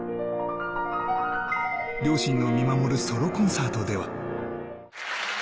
両親の見守るソロコンサートでは。